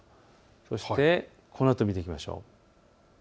そしてこのあと見ていきましょう。